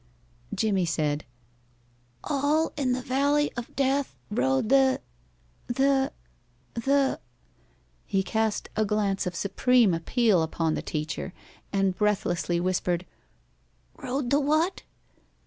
Jimmie said, "All in the valley of Death Rode the the the " He cast a glance of supreme appeal upon the teacher, and breathlessly whispered, "Rode the what?"